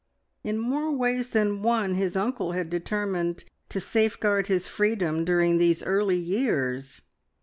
In more ways than one his uncle had determined to safeguard his freedom during these early years!